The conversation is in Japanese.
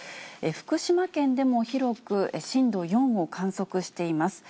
福島県でも広く震度４を観測しています。